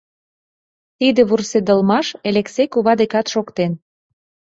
Тиде вурседылмаш Элексей кува декат шоктен.